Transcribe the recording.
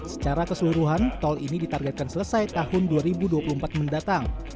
secara keseluruhan tol ini ditargetkan selesai tahun dua ribu dua puluh empat mendatang